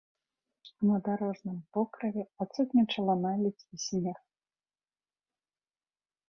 На дарожным покрыве адсутнічала наледзь і снег.